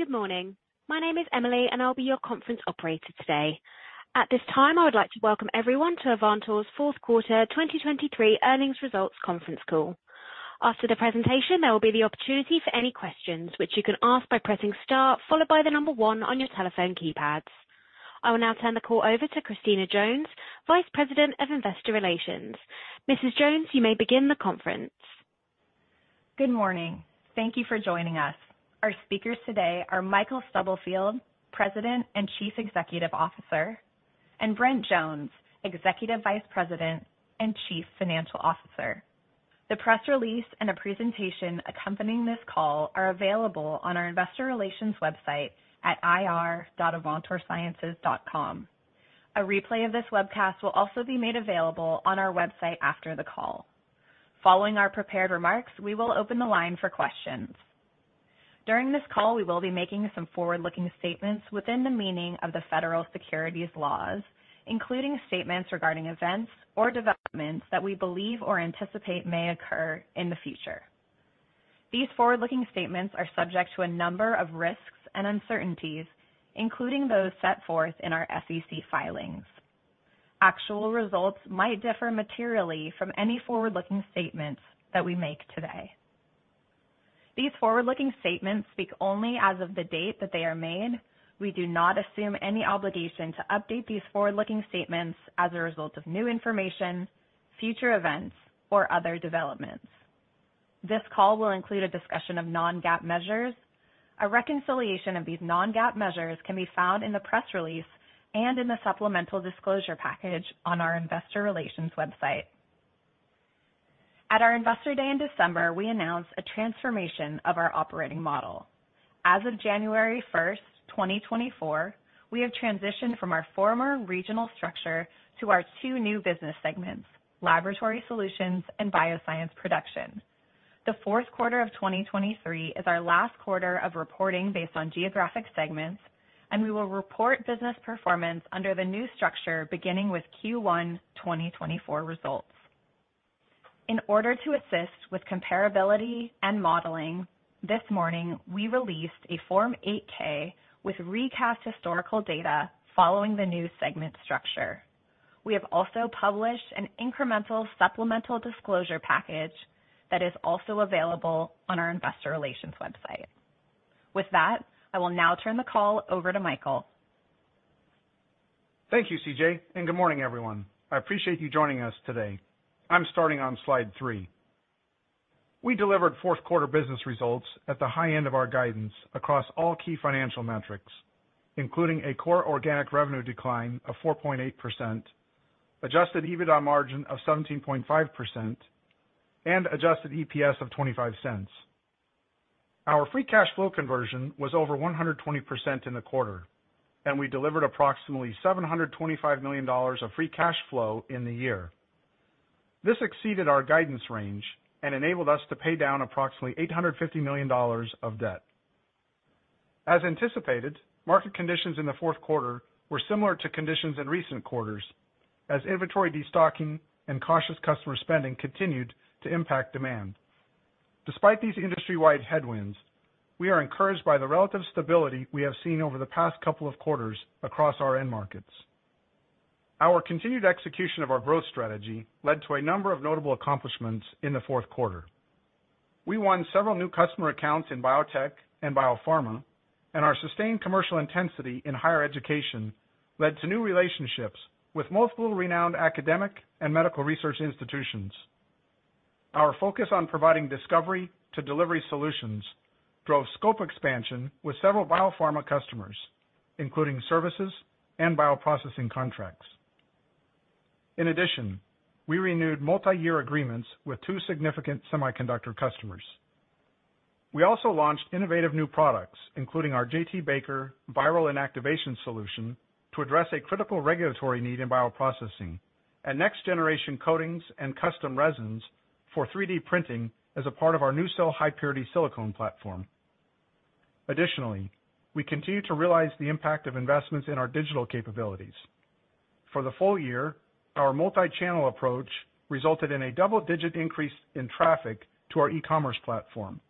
Good morning. My name is Emily, and I'll be your conference operator today. At this time, I would like to welcome everyone to Avantor's fourth quarter 2023 earnings results conference call. After the presentation, there will be the opportunity for any questions, which you can ask by pressing star followed by the number one on your telephone keypads. I will now turn the call over to Christina Jones, Vice President of Investor Relations. Mrs. Jones, you may begin the conference. Good morning. Thank you for joining us. Our speakers today are Michael Stubblefield, President and Chief Executive Officer, and Brent Jones, Executive Vice President and Chief Financial Officer. The press release and a presentation accompanying this call are available on our Investor Relations website at ir.avantorsciences.com. A replay of this webcast will also be made available on our website after the call. Following our prepared remarks, we will open the line for questions. During this call, we will be making some forward-looking statements within the meaning of the federal securities laws, including statements regarding events or developments that we believe or anticipate may occur in the future. These forward-looking statements are subject to a number of risks and uncertainties, including those set forth in our SEC filings. Actual results might differ materially from any forward-looking statements that we make today. These forward-looking statements speak only as of the date that they are made. We do not assume any obligation to update these forward-looking statements as a result of new information, future events, or other developments. This call will include a discussion of non-GAAP measures. A reconciliation of these non-GAAP measures can be found in the press release and in the supplemental disclosure package on our Investor Relations website. At our Investor Day in December, we announced a transformation of our operating model. As of January 1st, 2024, we have transitioned from our former regional structure to our two new business segments, Laboratory Solutions and Bioscience Production. The fourth quarter of 2023 is our last quarter of reporting based on geographic segments, and we will report business performance under the new structure beginning with Q1 2024 results. In order to assist with comparability and modeling, this morning we released a Form 8-K with recast historical data following the new segment structure. We have also published an incremental supplemental disclosure package that is also available on our Investor Relations website. With that, I will now turn the call over to Michael. Thank you, CJ, and good morning, everyone. I appreciate you joining us today. I'm starting on slide three. We delivered fourth quarter business results at the high end of our guidance across all key financial metrics, including a core organic revenue decline of 4.8%, Adjusted EBITDA margin of 17.5%, and Adjusted EPS of $0.25. Our free cash flow conversion was over 120% in the quarter, and we delivered approximately $725 million of free cash flow in the year. This exceeded our guidance range and enabled us to pay down approximately $850 million of debt. As anticipated, market conditions in the fourth quarter were similar to conditions in recent quarters as inventory destocking and cautious customer spending continued to impact demand. Despite these industry-wide headwinds, we are encouraged by the relative stability we have seen over the past couple of quarters across our end markets. Our continued execution of our growth strategy led to a number of notable accomplishments in the fourth quarter. We won several new customer accounts in biotech and biopharma, and our sustained commercial intensity in higher education led to new relationships with multiple renowned academic and medical research institutions. Our focus on providing discovery-to-delivery solutions drove scope expansion with several biopharma customers, including services and bioprocessing contracts. In addition, we renewed multi-year agreements with two significant semiconductor customers. We also launched innovative new products, including our J.T. Baker Viral Inactivation Solution to address a critical regulatory need in bioprocessing, and next-generation coatings and custom resins for 3D printing as a part of our NuSil high-purity silicone platform. Additionally, we continue to realize the impact of investments in our digital capabilities. For the full year, our multi-channel approach resulted in a double-digit increase in traffic to our e-commerce platform,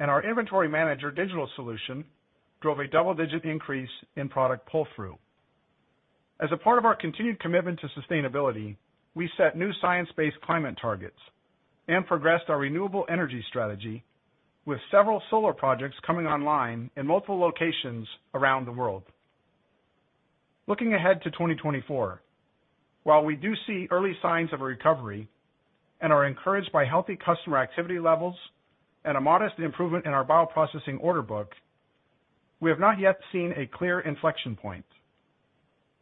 and our Inventory Manager digital solution drove a double-digit increase in product pull-through. As a part of our continued commitment to sustainability, we set new science-based climate targets and progressed our renewable energy strategy, with several solar projects coming online in multiple locations around the world. Looking ahead to 2024, while we do see early signs of a recovery and are encouraged by healthy customer activity levels and a modest improvement in our bioprocessing order book, we have not yet seen a clear inflection point.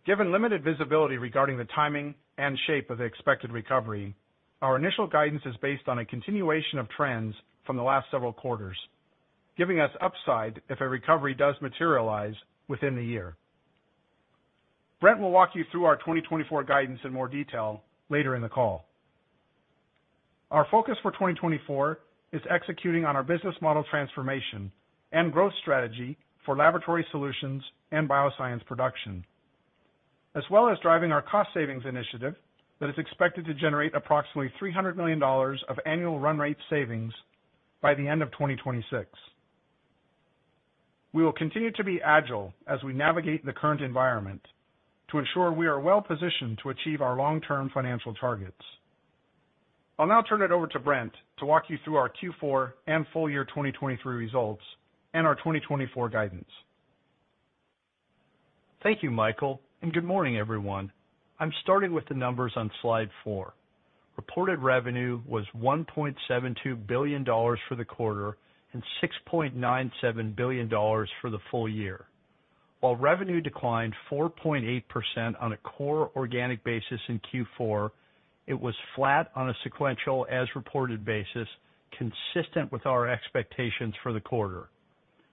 Given limited visibility regarding the timing and shape of the expected recovery, our initial guidance is based on a continuation of trends from the last several quarters, giving us upside if a recovery does materialize within the year. Brent will walk you through our 2024 guidance in more detail later in the call. Our focus for 2024 is executing on our business model transformation and growth strategy for Laboratory Solutions and Bioscience Production, as well as driving our cost-savings initiative that is expected to generate approximately $300 million of annual run-rate savings by the end of 2026. We will continue to be agile as we navigate the current environment to ensure we are well-positioned to achieve our long-term financial targets. I'll now turn it over to Brent to walk you through our Q4 and full-year 2023 results and our 2024 guidance. Thank you, Michael, and good morning, everyone. I'm starting with the numbers on slide four. Reported revenue was $1.72 billion for the quarter and $6.97 billion for the full year. While revenue declined 4.8% on a core organic basis in Q4, it was flat on a sequential as-reported basis, consistent with our expectations for the quarter.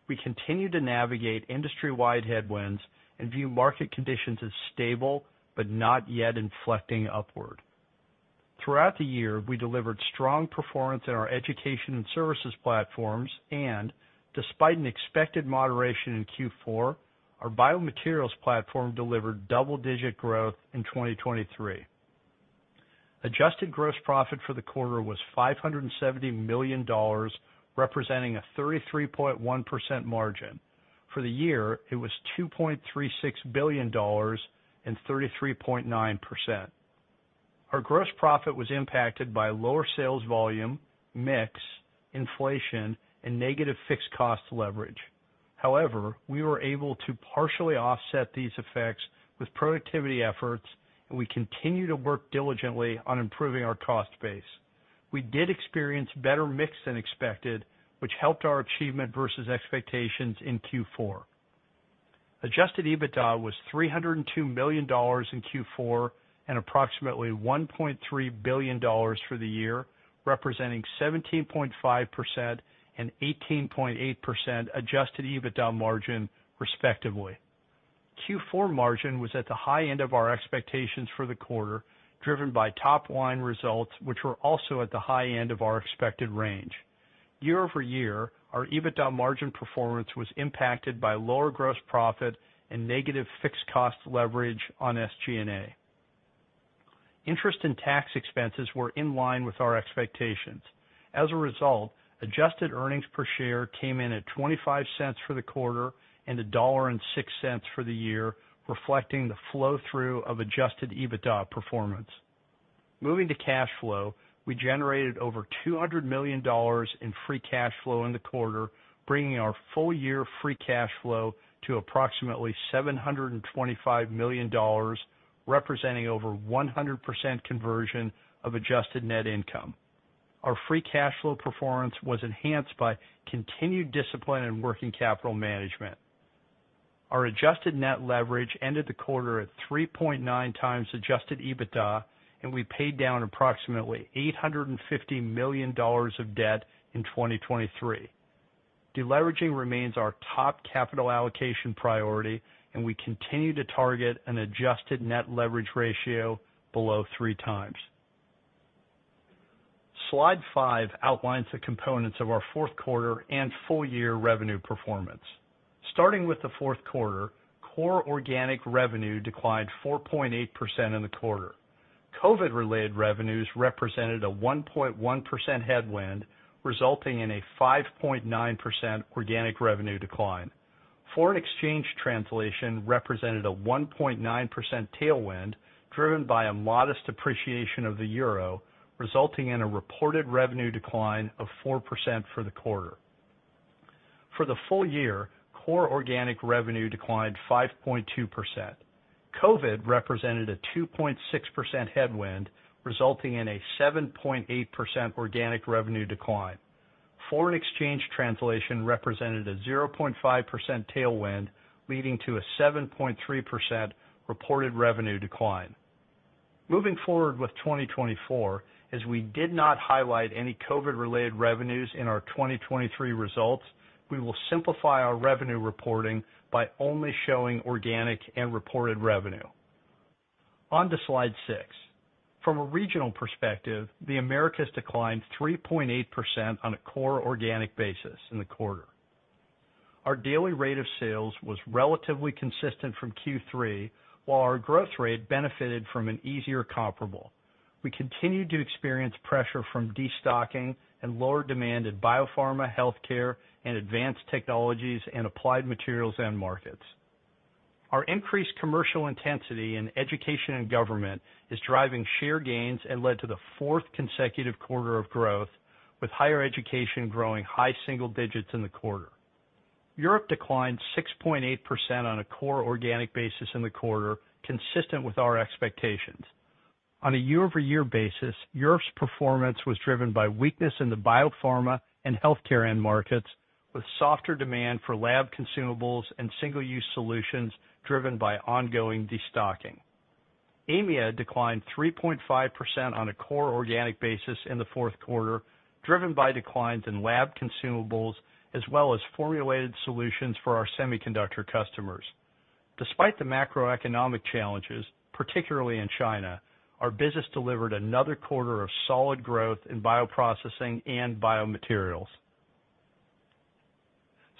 We continue to navigate industry-wide headwinds and view market conditions as stable but not yet inflecting upward. Throughout the year, we delivered strong performance in our education and services platforms and, despite an expected moderation in Q4, our biomaterials platform delivered double-digit growth in 2023. Adjusted gross profit for the quarter was $570 million, representing a 33.1% margin. For the year, it was $2.36 billion and 33.9%. Our gross profit was impacted by lower sales volume, mix, inflation, and negative fixed cost leverage. However, we were able to partially offset these effects with productivity efforts, and we continue to work diligently on improving our cost base. We did experience better mix than expected, which helped our achievement versus expectations in Q4. Adjusted EBITDA was $302 million in Q4 and approximately $1.3 billion for the year, representing 17.5% and 18.8% Adjusted EBITDA margin, respectively. Q4 margin was at the high end of our expectations for the quarter, driven by top-line results, which were also at the high end of our expected range. Year-over-year, our EBITDA margin performance was impacted by lower gross profit and negative fixed cost leverage on SG&A. Interest and tax expenses were in line with our expectations. As a result, adjusted earnings per share came in at $0.25 for the quarter and $1.06 for the year, reflecting the flow-through of Adjusted EBITDA performance. Moving to cash flow, we generated over $200 million in free cash flow in the quarter, bringing our full-year free cash flow to approximately $725 million, representing over 100% conversion of adjusted net income. Our free cash flow performance was enhanced by continued discipline in working capital management. Our adjusted net leverage ended the quarter at 3.9 times Adjusted EBITDA, and we paid down approximately $850 million of debt in 2023. Deleveraging remains our top capital allocation priority, and we continue to target an adjusted net leverage ratio below 3 times. Slide five outlines the components of our fourth quarter and full-year revenue performance. Starting with the fourth quarter, core organic revenue declined 4.8% in the quarter. COVID-related revenues represented a 1.1% headwind, resulting in a 5.9% organic revenue decline. Foreign exchange translation represented a 1.9% tailwind, driven by a modest appreciation of the euro, resulting in a reported revenue decline of 4% for the quarter. For the full year, core organic revenue declined 5.2%. COVID represented a 2.6% headwind, resulting in a 7.8% organic revenue decline. Foreign exchange translation represented a 0.5% tailwind, leading to a 7.3% reported revenue decline. Moving forward with 2024, as we did not highlight any COVID-related revenues in our 2023 results, we will simplify our revenue reporting by only showing organic and reported revenue. On to slide six. From a regional perspective, the Americas declined 3.8% on a core organic basis in the quarter. Our daily rate of sales was relatively consistent from Q3, while our growth rate benefited from an easier comparable. We continue to experience pressure from destocking and lower demand in biopharma, healthcare, and advanced technologies and applied materials end markets. Our increased commercial intensity in education and government is driving share gains and led to the fourth consecutive quarter of growth, with higher education growing high single digits in the quarter. Europe declined 6.8% on a core organic basis in the quarter, consistent with our expectations. On a year-over-year basis, Europe's performance was driven by weakness in the biopharma and healthcare end markets, with softer demand for lab consumables and single-use solutions driven by ongoing destocking. AMEA declined 3.5% on a core organic basis in the fourth quarter, driven by declines in lab consumables as well as formulated solutions for our semiconductor customers. Despite the macroeconomic challenges, particularly in China, our business delivered another quarter of solid growth in bioprocessing and biomaterials.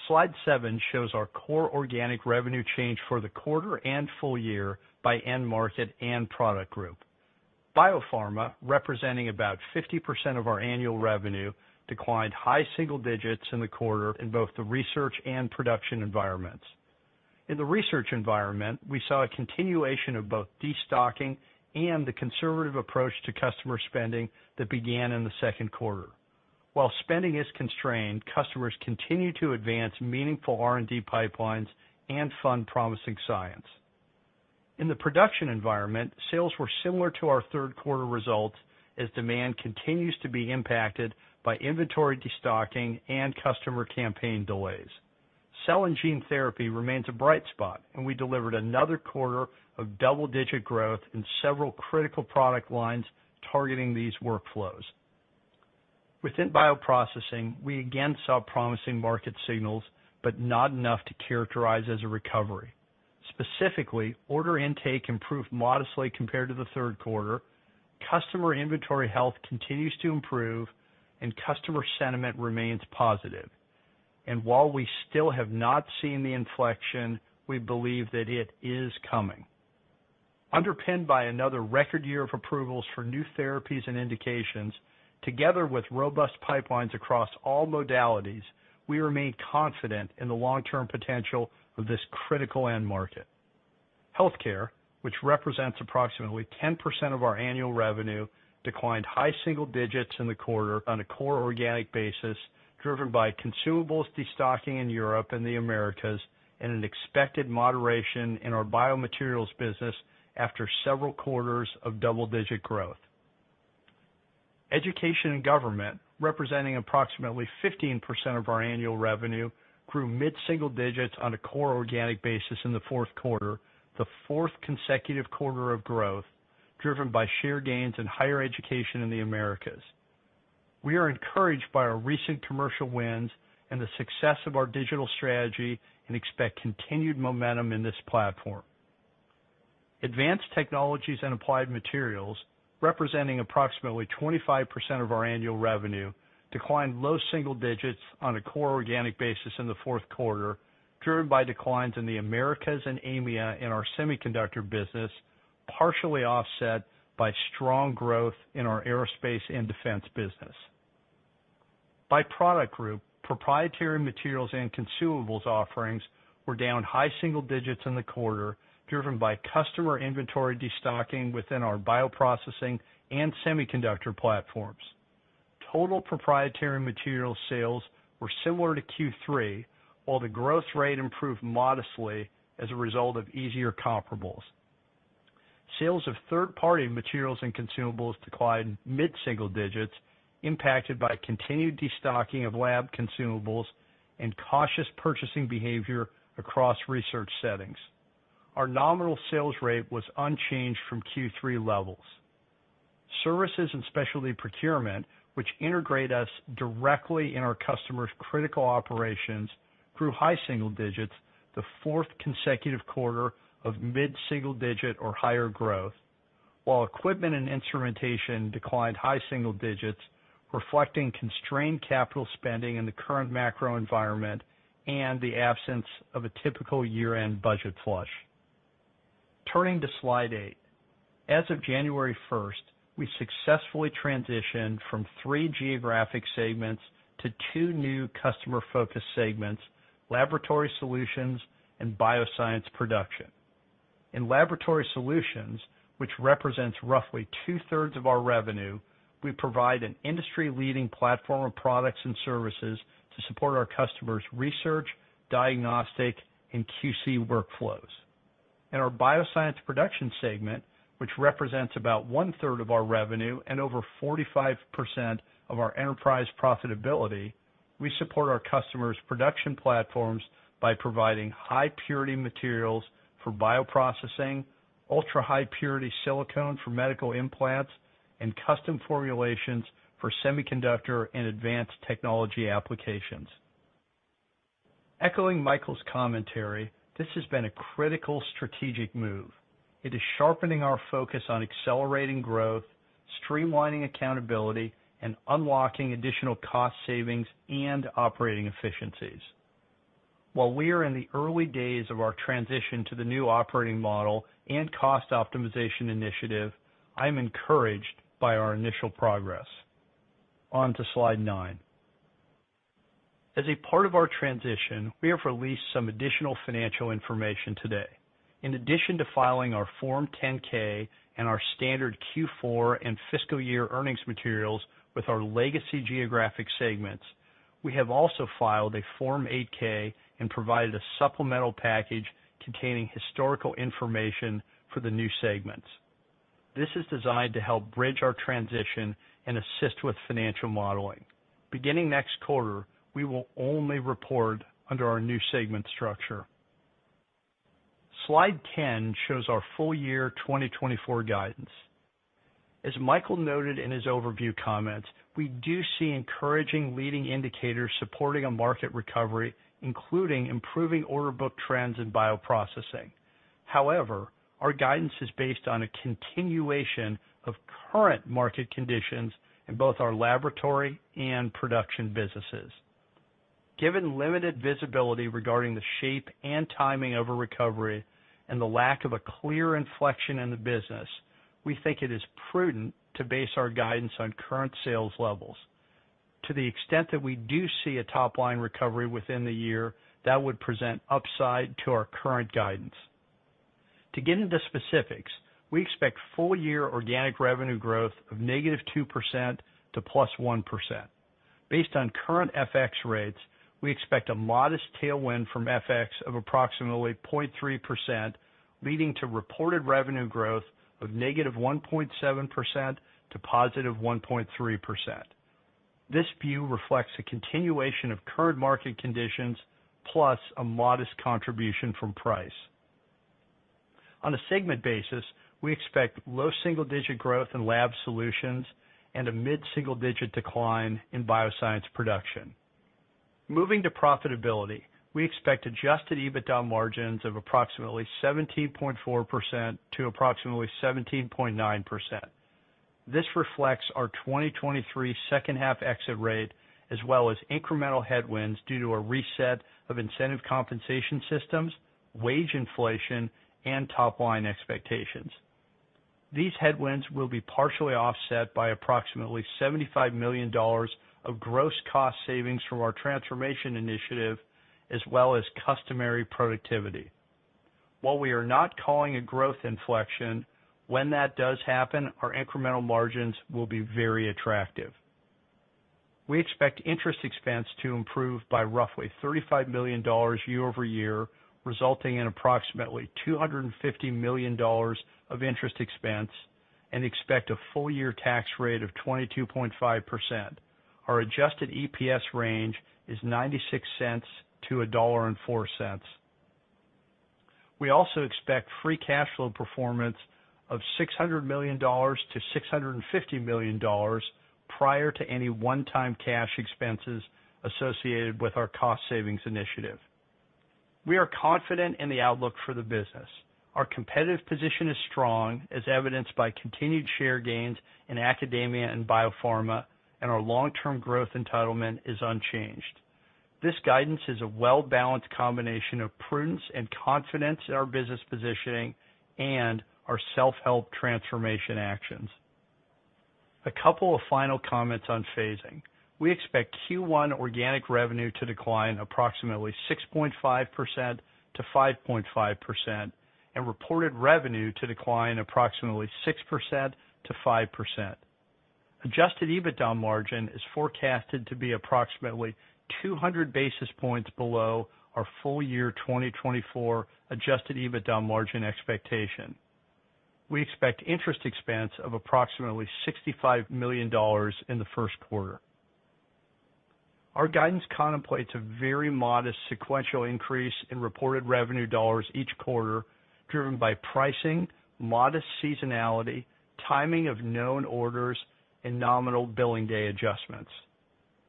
Slide seven shows our core organic revenue change for the quarter and full year by end market and product group. Biopharma, representing about 50% of our annual revenue, declined high single digits in the quarter in both the research and production environments. In the research environment, we saw a continuation of both destocking and the conservative approach to customer spending that began in the second quarter. While spending is constrained, customers continue to advance meaningful R&D pipelines and fund promising science. In the production environment, sales were similar to our third quarter results as demand continues to be impacted by inventory destocking and customer campaign delays. Cell and gene therapy remains a bright spot, and we delivered another quarter of double-digit growth in several critical product lines targeting these workflows. Within bioprocessing, we again saw promising market signals but not enough to characterize as a recovery. Specifically, order intake improved modestly compared to the third quarter, customer inventory health continues to improve, and customer sentiment remains positive. While we still have not seen the inflection, we believe that it is coming. Underpinned by another record year of approvals for new therapies and indications, together with robust pipelines across all modalities, we remain confident in the long-term potential of this critical end market. Healthcare, which represents approximately 10% of our annual revenue, declined high single digits in the quarter on a core organic basis, driven by consumables destocking in Europe and the Americas and an expected moderation in our biomaterials business after several quarters of double-digit growth. Education and government, representing approximately 15% of our annual revenue, grew mid-single digits on a core organic basis in the fourth quarter, the fourth consecutive quarter of growth, driven by share gains in higher education in the Americas. We are encouraged by our recent commercial wins and the success of our digital strategy and expect continued momentum in this platform. Advanced technologies and applied materials, representing approximately 25% of our annual revenue, declined low single digits on a core organic basis in the fourth quarter, driven by declines in the Americas and AMEA in our semiconductor business, partially offset by strong growth in our aerospace and defense business. By product group, proprietary materials and consumables offerings were down high single digits in the quarter, driven by customer inventory destocking within our bioprocessing and semiconductor platforms. Total proprietary materials sales were similar to Q3, while the growth rate improved modestly as a result of easier comparables. Sales of third-party materials and consumables declined mid-single digits, impacted by continued destocking of lab consumables and cautious purchasing behavior across research settings. Our nominal sales rate was unchanged from Q3 levels. Services and specialty procurement, which integrate us directly in our customers' critical operations, grew high single digits the fourth consecutive quarter of mid-single digit or higher growth, while equipment and instrumentation declined high single digits, reflecting constrained capital spending in the current macro environment and the absence of a typical year-end budget flush. Turning to slide eight. As of January 1st, we successfully transitioned from three geographic segments to two new customer-focused segments: Laboratory Solutions and Bioscience Production. In Laboratory Solutions, which represents roughly 2/3 of our revenue, we provide an industry-leading platform of products and services to support our customers' research, diagnostic, and QC workflows. In our Bioscience Production segment, which represents about 1/3 of our revenue and over 45% of our enterprise profitability, we support our customers' production platforms by providing high-purity materials for bioprocessing, ultra-high-purity silicone for medical implants, and custom formulations for semiconductor and advanced technology applications. Echoing Michael's commentary, this has been a critical strategic move. It is sharpening our focus on accelerating growth, streamlining accountability, and unlocking additional cost savings and operating efficiencies. While we are in the early days of our transition to the new operating model and cost optimization initiative, I am encouraged by our initial progress. On to Slide nine. As a part of our transition, we have released some additional financial information today. In addition to filing our Form 10-K and our standard Q4 and fiscal year earnings materials with our legacy geographic segments, we have also filed a Form 8-K and provided a supplemental package containing historical information for the new segments. This is designed to help bridge our transition and assist with financial modeling. Beginning next quarter, we will only report under our new segment structure. Slide 10 shows our full-year 2024 guidance. As Michael noted in his overview comments, we do see encouraging leading indicators supporting a market recovery, including improving order book trends in bioprocessing. However, our guidance is based on a continuation of current market conditions in both our laboratory and production businesses. Given limited visibility regarding the shape and timing of a recovery and the lack of a clear inflection in the business, we think it is prudent to base our guidance on current sales levels. To the extent that we do see a top-line recovery within the year, that would present upside to our current guidance. To get into specifics, we expect full-year organic revenue growth of -2% to +1%. Based on current FX rates, we expect a modest tailwind from FX of approximately 0.3%, leading to reported revenue growth of -1.7% to +1.3%. This view reflects a continuation of current market conditions plus a modest contribution from price. On a segment basis, we expect low single-digit growth in Lab Solutions and a mid-single-digit decline in Bioscience Production. Moving to profitability, we expect Adjusted EBITDA margins of approximately 17.4%-17.9%. This reflects our 2023 second-half exit rate as well as incremental headwinds due to a reset of incentive compensation systems, wage inflation, and top-line expectations. These headwinds will be partially offset by approximately $75 million of gross cost savings from our transformation initiative as well as customary productivity. While we are not calling a growth inflection, when that does happen, our incremental margins will be very attractive. We expect interest expense to improve by roughly $35 million year-over-year, resulting in approximately $250 million of interest expense, and expect a full-year tax rate of 22.5%. Our Adjusted EPS range is $0.96-$1.04. We also expect free cash flow performance of $600 million-$650 million prior to any one-time cash expenses associated with our cost savings initiative. We are confident in the outlook for the business. Our competitive position is strong, as evidenced by continued share gains in academia and biopharma, and our long-term growth entitlement is unchanged. This guidance is a well-balanced combination of prudence and confidence in our business positioning and our self-help transformation actions. A couple of final comments on phasing. We expect Q1 organic revenue to decline approximately 6.5%-5.5%, and reported revenue to decline approximately 6%-5%. Adjusted EBITDA margin is forecasted to be approximately 200 basis points below our full-year 2024 Adjusted EBITDA margin expectation. We expect interest expense of approximately $65 million in the first quarter. Our guidance contemplates a very modest sequential increase in reported revenue dollars each quarter, driven by pricing, modest seasonality, timing of known orders, and nominal billing day adjustments.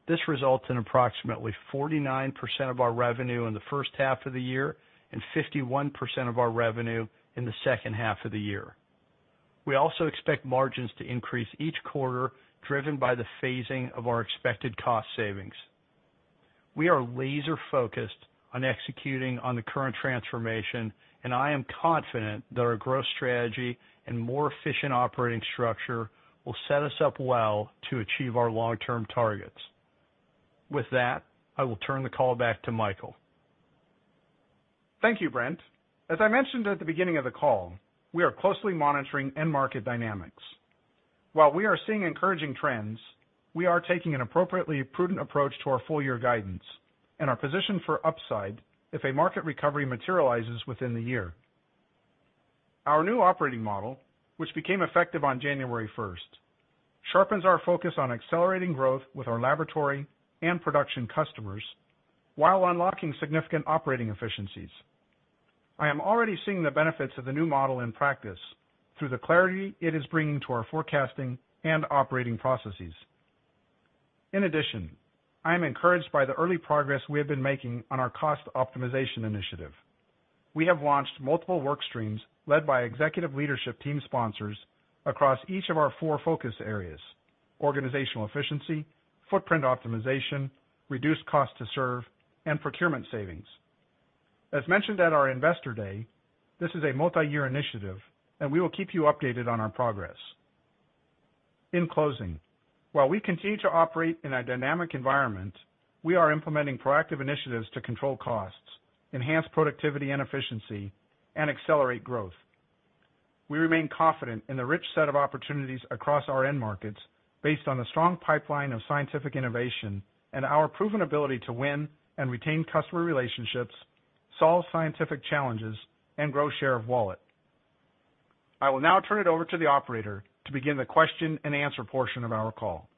This results in approximately 49% of our revenue in the first half of the year and 51% of our revenue in the second half of the year. We also expect margins to increase each quarter, driven by the phasing of our expected cost savings. We are laser-focused on executing on the current transformation, and I am confident that our growth strategy and more efficient operating structure will set us up well to achieve our long-term targets. With that, I will turn the call back to Michael. Thank you, Brent. As I mentioned at the beginning of the call, we are closely monitoring end market dynamics. While we are seeing encouraging trends, we are taking an appropriately prudent approach to our full-year guidance and our position for upside if a market recovery materializes within the year. Our new operating model, which became effective on January 1st, sharpens our focus on accelerating growth with our laboratory and production customers while unlocking significant operating efficiencies. I am already seeing the benefits of the new model in practice through the clarity it is bringing to our forecasting and operating processes. In addition, I am encouraged by the early progress we have been making on our cost optimization initiative. We have launched multiple workstreams led by executive leadership team sponsors across each of our four focus areas: organizational efficiency, footprint optimization, reduced cost to serve, and procurement savings. As mentioned at our Investor Day, this is a multi-year initiative, and we will keep you updated on our progress. In closing, while we continue to operate in a dynamic environment, we are implementing proactive initiatives to control costs, enhance productivity and efficiency, and accelerate growth. We remain confident in the rich set of opportunities across our end markets based on the strong pipeline of scientific innovation and our proven ability to win and retain customer relationships, solve scientific challenges, and grow share of wallet. I will now turn it over to the operator to begin the question-and-answer portion of our call.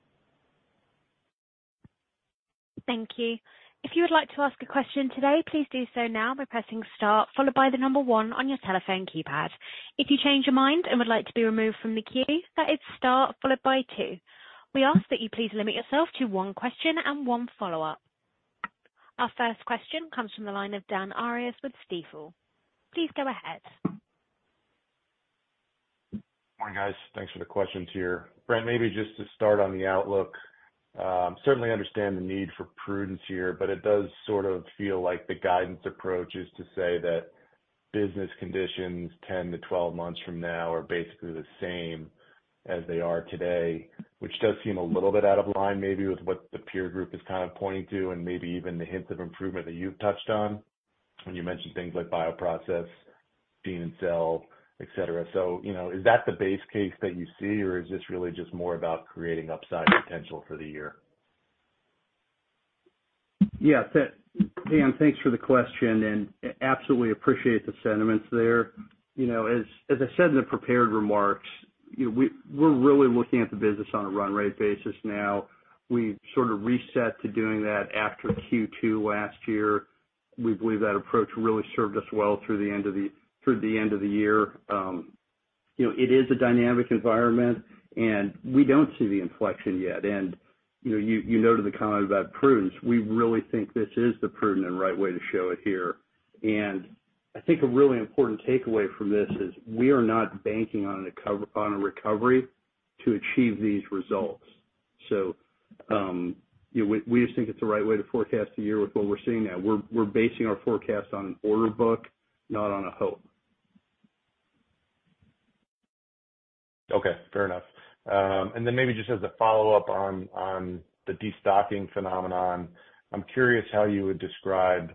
Thank you. If you would like to ask a question today, please do so now by pressing star, followed by the number one on your telephone keypad. If you change your mind and would like to be removed from the queue, that is star, followed by two. We ask that you please limit yourself to one question and one follow-up. Our first question comes from the line of Dan Arias with Stifel. Please go ahead. Morning, guys. Thanks for the questions here. Brent, maybe just to start on the outlook. Certainly understand the need for prudence here, but it does sort of feel like the guidance approach is to say that business conditions 10-12 months from now are basically the same as they are today, which does seem a little bit out of line maybe with what the peer group is kind of pointing to and maybe even the hints of improvement that you've touched on when you mentioned things like bioprocess, gene and cell, etc. Is that the base case that you see, or is this really just more about creating upside potential for the year? Yeah. Dan, thanks for the question, and absolutely appreciate the sentiments there. As I said in the prepared remarks, we're really looking at the business on a run-rate basis now. We've sort of reset to doing that after Q2 last year. We believe that approach really served us well through the end of the year. It is a dynamic environment, and we don't see the inflection yet. And you noted the comment about prudence. We really think this is the prudent and right way to show it here. And I think a really important takeaway from this is we are not banking on a recovery to achieve these results. So we just think it's the right way to forecast the year with what we're seeing now. We're basing our forecast on an order book, not on a hope. Okay. Fair enough. And then maybe just as a follow-up on the destocking phenomenon, I'm curious how you would describe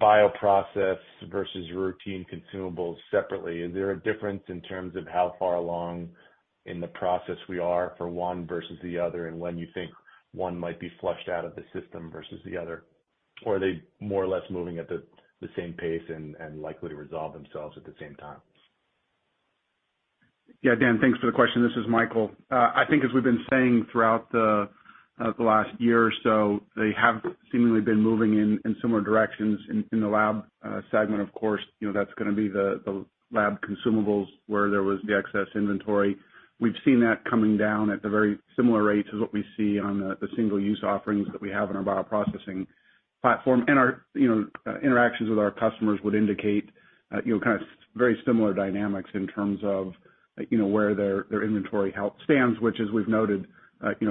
bioprocess versus routine consumables separately. Is there a difference in terms of how far along in the process we are for one versus the other and when you think one might be flushed out of the system versus the other? Or are they more or less moving at the same pace and likely to resolve themselves at the same time? Yeah, Dan, thanks for the question. This is Michael. I think as we've been saying throughout the last year or so, they have seemingly been moving in similar directions. In the lab segment, of course, that's going to be the lab consumables where there was the excess inventory. We've seen that coming down at the very similar rates as what we see on the single-use offerings that we have in our bioprocessing platform. And our interactions with our customers would indicate kind of very similar dynamics in terms of where their inventory stands, which, as we've noted,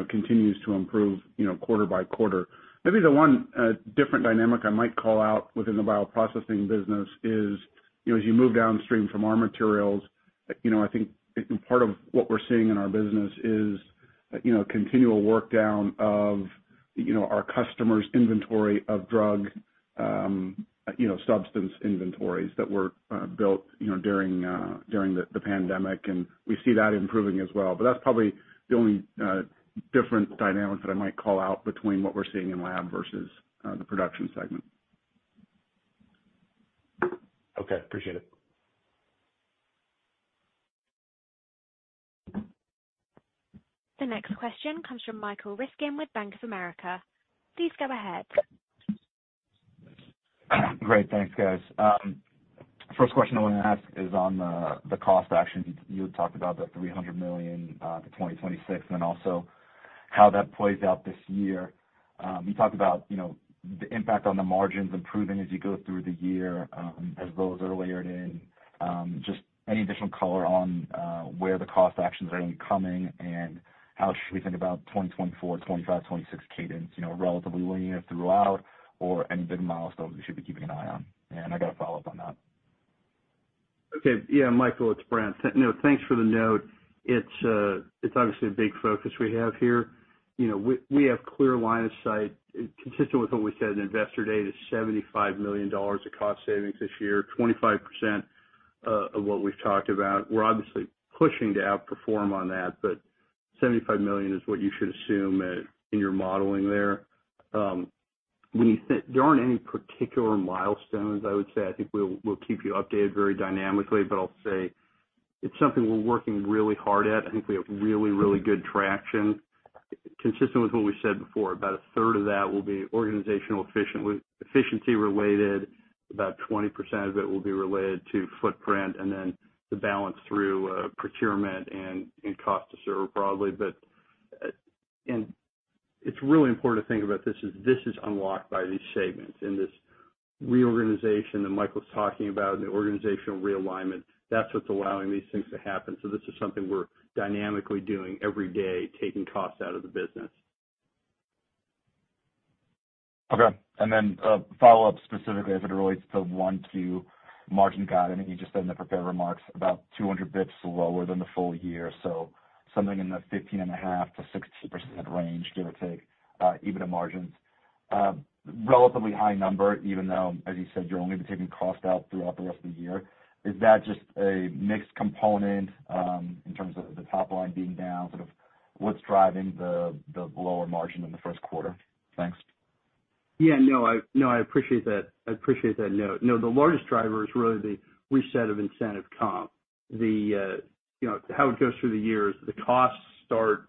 continues to improve quarter by quarter. Maybe the one different dynamic I might call out within the bioprocessing business is as you move downstream from our materials, I think part of what we're seeing in our business is continual workdown of our customers' inventory of drug substance inventories that were built during the pandemic. And we see that improving as well. But that's probably the only different dynamic that I might call out between what we're seeing in lab versus the production segment. Okay. Appreciate it. The next question comes from Michael Ryskin with Bank of America. Please go ahead. Great. Thanks, guys. First question I want to ask is on the cost actions. You had talked about the $300 million to 2026 and then also how that plays out this year. You talked about the impact on the margins improving as you go through the year as those are layered in. Just any additional color on where the cost actions are coming and how should we think about 2024, 2025, 2026 cadence, relatively linear throughout or any big milestones we should be keeping an eye on? And I got a follow-up on that. Okay. Yeah, Michael, it's Brent. No, thanks for the note. It's obviously a big focus we have here. We have clear line of sight, consistent with what we said in Investor Day, to $75 million of cost savings this year, 25% of what we've talked about. We're obviously pushing to outperform on that, but $75 million is what you should assume in your modeling there. When you think there aren't any particular milestones, I would say I think we'll keep you updated very dynamically. But I'll say it's something we're working really hard at. I think we have really, really good traction, consistent with what we said before. About a third of that will be organizational efficiency related. About 20% of it will be related to footprint and then the balance through procurement and cost to serve broadly. And it's really important to think about this. This is unlocked by these segments. In this reorganization that Michael's talking about and the organizational realignment, that's what's allowing these things to happen. So this is something we're dynamically doing every day, taking costs out of the business. Okay. Then follow-up specifically as it relates to Q1 margin guiding. You just said in the prepared remarks about 200 basis points lower than the full year, so something in the 15.5%-16% range, give or take, EBITDA margins. Relatively high number, even though, as you said, you're only taking cost out throughout the rest of the year. Is that just a mixed component in terms of the top line being down? Sort of what's driving the lower margin in the first quarter? Thanks. Yeah. No, I appreciate that. I appreciate that note. No, the largest driver is really the reset of incentive comp. How it goes through the year is the costs start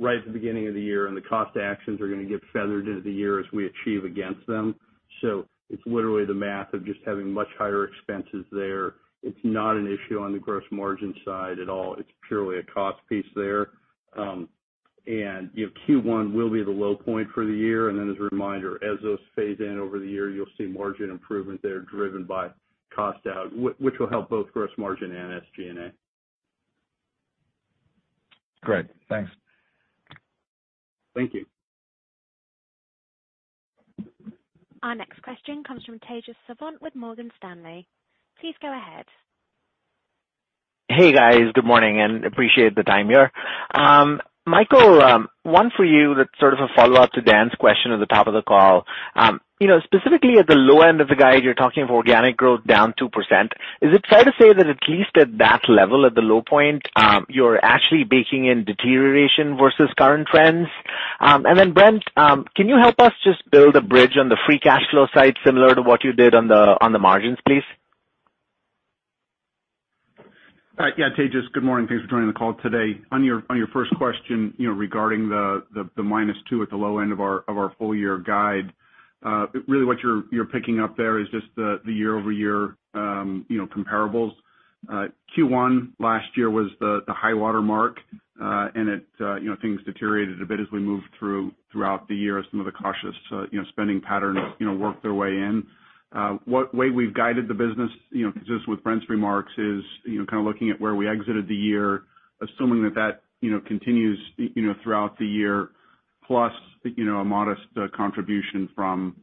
right at the beginning of the year, and the cost actions are going to get feathered into the year as we achieve against them. So it's literally the math of just having much higher expenses there. It's not an issue on the gross margin side at all. It's purely a cost piece there. And Q1 will be the low point for the year. And then as a reminder, as those phase in over the year, you'll see margin improvement there driven by cost out, which will help both gross margin and SG&A. Great. Thanks. Thank you. Our next question comes from Tejas Savant with Morgan Stanley. Please go ahead. Hey, guys. Good morning and appreciate the time here. Michael, one for you that's sort of a follow-up to Dan's question at the top of the call. Specifically at the low end of the guide, you're talking of organic growth down 2%. Is it fair to say that at least at that level, at the low point, you're actually baking in deterioration versus current trends? And then, Brent, can you help us just build a bridge on the free cash flow side similar to what you did on the margins, please? Yeah, Tejas. Good morning. Thanks for joining the call today. On your first question regarding the -2% at the low end of our full-year guide, really what you're picking up there is just the year-over-year comparables. Q1 last year was the high watermark, and things deteriorated a bit as we moved throughout the year as some of the cautious spending patterns worked their way in. The way we've guided the business, consistent with Brent's remarks, is kind of looking at where we exited the year, assuming that that continues throughout the year, plus a modest contribution from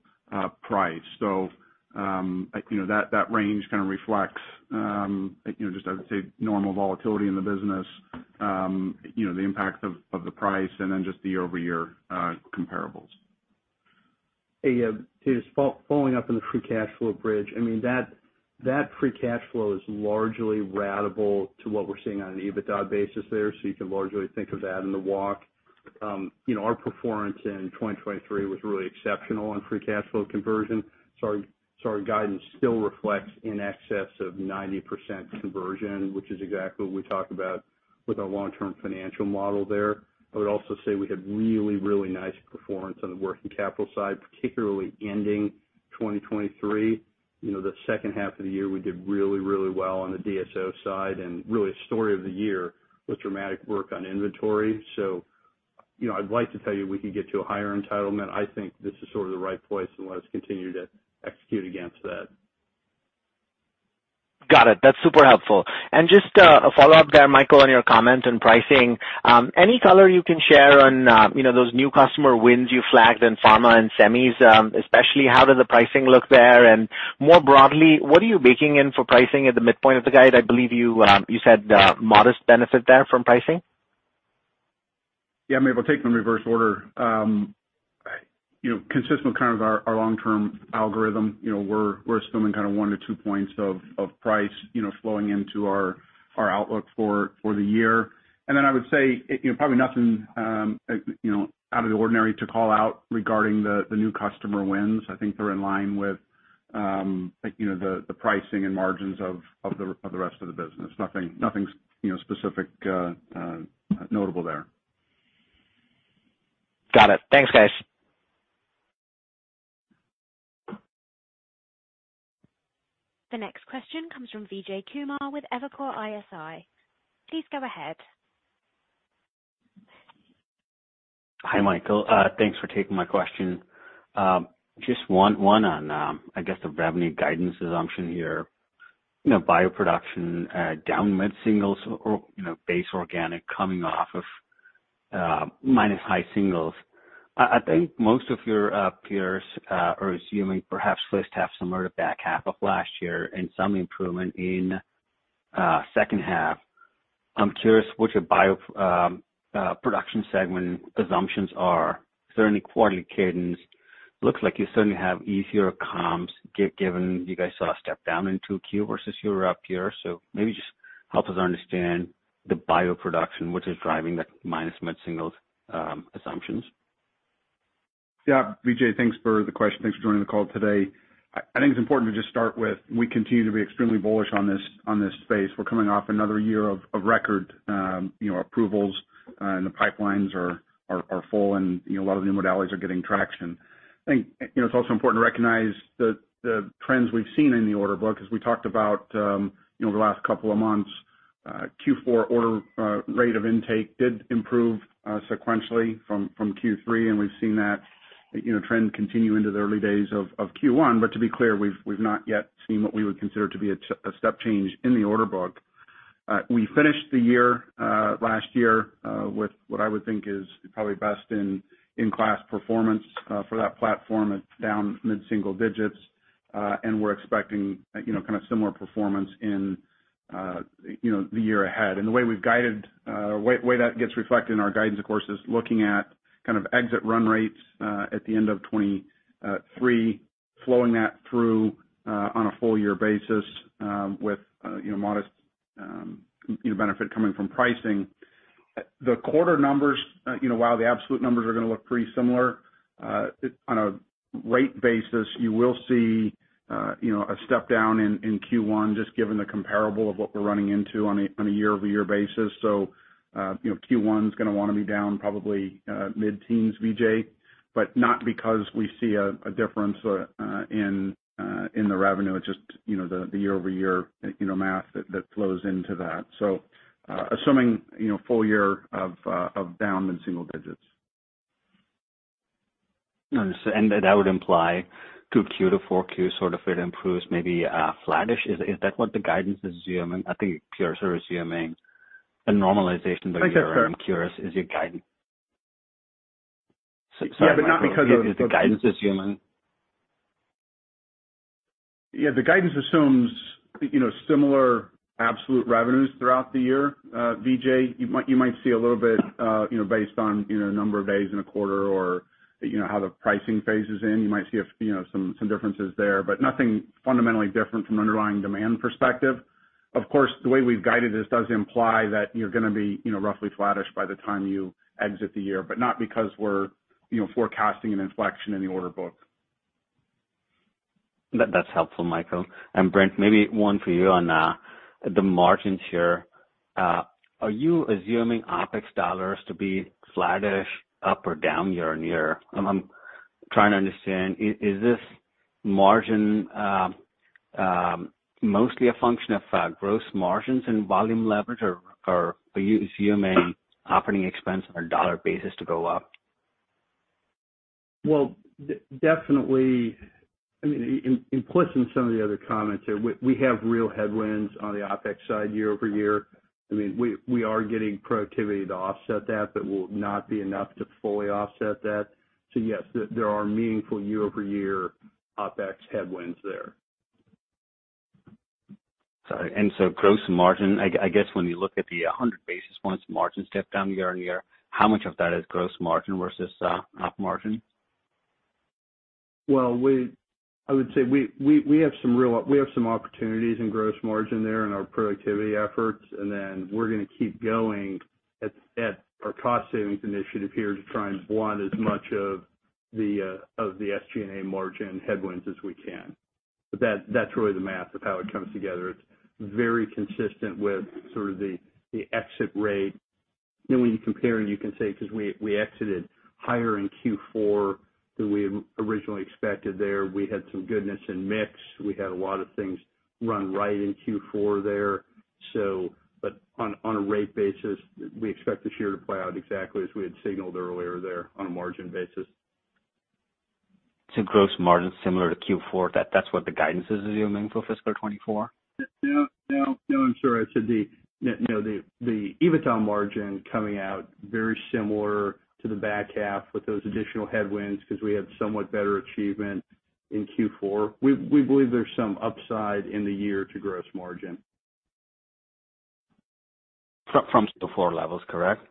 price. So that range kind of reflects just, I would say, normal volatility in the business, the impact of the price, and then just the year-over-year comparables. Hey, Tejas, following up on the free cash flow bridge, I mean, that free cash flow is largely ratable to what we're seeing on an EBITDA basis there. So you can largely think of that in the walk. Our performance in 2023 was really exceptional on free cash flow conversion. So our guidance still reflects in excess of 90% conversion, which is exactly what we talk about with our long-term financial model there. I would also say we had really, really nice performance on the working capital side, particularly ending 2023. The second half of the year, we did really, really well on the DSO side. And really, a story of the year was dramatic work on inventory. So I'd like to tell you we could get to a higher entitlement. I think this is sort of the right place unless we continue to execute against that. Got it. That's super helpful. And just a follow-up there, Michael, on your comment on pricing. Any color you can share on those new customer wins you flagged in pharma and semis, especially how does the pricing look there? And more broadly, what are you baking in for pricing at the midpoint of the guide? I believe you said modest benefit there from pricing. Yeah. I mean, if I take them in reverse order, consistent with kind of our long-term algorithm, we're assuming kind of 1-2 points of price flowing into our outlook for the year. And then I would say probably nothing out of the ordinary to call out regarding the new customer wins. I think they're in line with the pricing and margins of the rest of the business. Nothing specific notable there. Got it. Thanks, guys. The next question comes from Vijay Kumar with Evercore ISI. Please go ahead. Hi, Michael. Thanks for taking my question. Just one on, I guess, the revenue guidance assumption here, bioproduction down mid-singles or base organic coming off of minus high singles. I think most of your peers are assuming perhaps first half similar to back half of last year and some improvement in second half. I'm curious what your bioproduction segment assumptions are. Is there any quarterly cadence? Looks like you certainly have easier comps given you guys saw a step down in Q2 versus your peers. So maybe just help us understand the bioproduction, which is driving that minus mid-singles assumptions. Yeah. Vijay, thanks for the question. Thanks for joining the call today. I think it's important to just start with, we continue to be extremely bullish on this space. We're coming off another year of record approvals, and the pipelines are full, and a lot of the new modalities are getting traction. I think it's also important to recognize the trends we've seen in the order book as we talked about over the last couple of months. Q4 order rate of intake did improve sequentially from Q3, and we've seen that trend continue into the early days of Q1. But to be clear, we've not yet seen what we would consider to be a step change in the order book. We finished the year last year with what I would think is probably best in-class performance for that platform down mid-single digits, and we're expecting kind of similar performance in the year ahead. The way we've guided the way that gets reflected in our guidance, of course, is looking at kind of exit run rates at the end of 2023, flowing that through on a full-year basis with modest benefit coming from pricing. The quarter numbers, while the absolute numbers are going to look pretty similar, on a rate basis, you will see a step down in Q1 just given the comparable of what we're running into on a year-over-year basis. So Q1 is going to want to be down probably mid-teens, Vijay, but not because we see a difference in the revenue. It's just the year-over-year math that flows into that, so assuming full year of down mid-single digits. That would imply Q2 to 4Q sort of it improves maybe flatish. Is that what the guidance is assuming? I think you're sort of assuming a normalization of the year. I'm curious, is your guidance? Sorry, is the guidance assuming? Yeah. The guidance assumes similar absolute revenues throughout the year, Vijay. You might see a little bit based on a number of days in a quarter or how the pricing phase is in. You might see some differences there, but nothing fundamentally different from an underlying demand perspective. Of course, the way we've guided this does imply that you're going to be roughly flatish by the time you exit the year, but not because we're forecasting an inflection in the order book. That's helpful, Michael. And Brent, maybe one for you on the margins here. Are you assuming OpEx dollars to be flatish up or down year-over-year? I'm trying to understand, is this margin mostly a function of gross margins and volume leverage, or are you assuming operating expense on a dollar basis to go up? Well, definitely. I mean, inputs in some of the other comments here, we have real headwinds on the OpEx side year-over-year. I mean, we are getting proactivity to offset that, but will not be enough to fully offset that. So yes, there are meaningful year-over-year OpEx headwinds there. And so gross margin, I guess when you look at the 100 basis points margin step down year-on-year, how much of that is gross margin versus op margin? Well, I would say we have some opportunities in gross margin there in our productivity efforts, and then we're going to keep going at our cost savings initiative here to try and blunt as much of the SG&A margin headwinds as we can. But that's really the math of how it comes together. It's very consistent with sort of the exit rate. Then when you compare, you can say because we exited higher in Q4 than we originally expected there. We had some goodness in mix. We had a lot of things run right in Q4 there. But on a rate basis, we expect this year to play out exactly as we had signaled earlier there on a margin basis. Gross margin similar to Q4, that's what the guidance is assuming for fiscal 2024? No, no, no. I'm sorry. I said the EBITDA margin coming out very similar to the back half with those additional headwinds because we had somewhat better achievement in Q4. We believe there's some upside in the year to gross margin. From the Q4 levels correct?